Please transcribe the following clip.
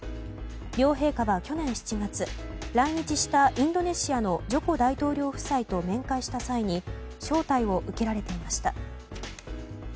両陛下は去年７月来日したインドネシアのジョコ大統領夫妻と面会した際に招待を受けられていました。